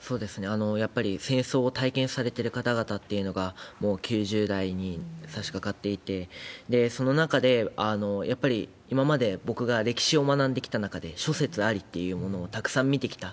やっぱり戦争を体験されてる方々っていうのが、もう９０代に差しかかっていて、その中で、やっぱり今まで僕が歴史を学んできた中で、諸説ありっていうものをたくさん見てきた。